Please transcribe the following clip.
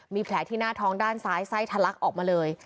มีแผลที่หน้าท้องด้านซ้ายไส้ทะลักออกมาเลย